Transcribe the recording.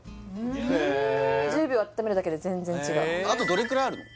へえ１０秒あっためるだけで全然違うあとどれくらいあるの？